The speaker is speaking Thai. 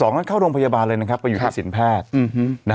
นั้นเข้าโรงพยาบาลเลยนะครับไปอยู่ที่สินแพทย์